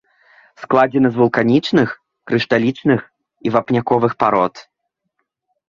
Складзены з вулканічных, крышталічных і вапняковых парод.